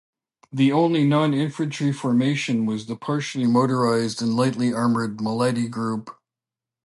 The only non-infantry formation was the partially motorised and lightly armoured Maletti Group.